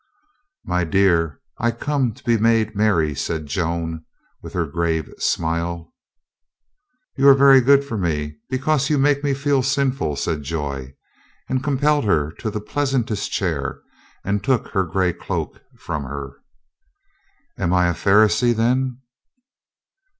"My dear, I come to be made merry," said Joan with her grave smile. "You are very good for me, because you make me feel sinful," said Joy, and compelled her to the pleasantest chair and took her gray cloak from her. "Am I a Pharisee, then?"